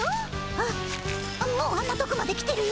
あっもうあんなとこまで来てるよ。